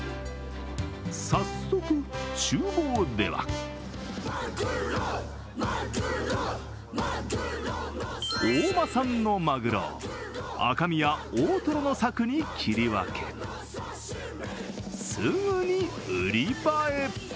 早速、ちゅう房では大間産のまぐろを赤身や大トロの柵に切り分け、すぐに売り場へ。